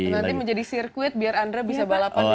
nanti menjadi sirkuit biar andra bisa balapan di sana